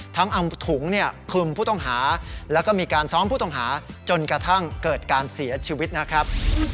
ทั้งเอาถุงคลุมผู้ต้องหาแล้วก็มีการซ้อมผู้ต้องหาจนกระทั่งเกิดการเสียชีวิตนะครับ